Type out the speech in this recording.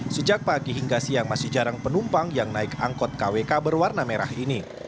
sejak pagi hingga siang masih jarang penumpang yang naik angkot kwk berwarna merah ini